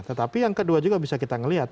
tetapi yang kedua juga bisa kita melihat